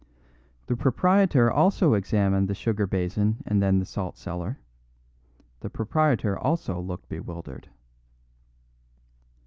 The proprietor also examined the sugar basin and then the salt cellar; the proprietor also looked bewildered.